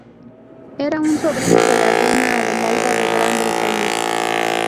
Era un sobrino de la reina Adelaida de Gran Bretaña.